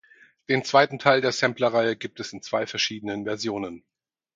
Den zweiten Teil der Samplerreihe gibt es in zwei verschiedenen Versionen.